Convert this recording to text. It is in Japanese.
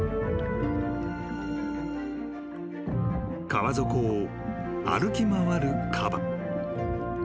［川底を歩き回るカバ］